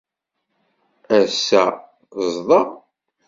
ass-a sḍeɣ.